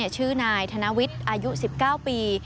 ชื่อนายธนวิทย์อายุ๑๙ปี